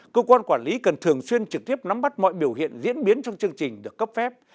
cơ quan quản lý cần thường xuyên trực tiếp nắm bắt mọi biểu hiện diễn biến trong chương trình được cấp phép